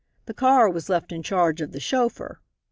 The car was left in charge of the chauffeur.